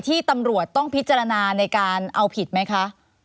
ที่ตำรวจต้องพิจารณาในการเอาผิดไหมคะ